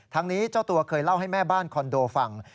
ทั้งนี้เจ้าตัวเคยเล่าให้แม่บ้านคอนโดฟัง